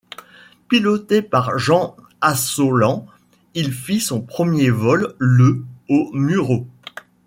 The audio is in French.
Piloté par Jean Assollant, il fit son premier vol le aux Mureaux.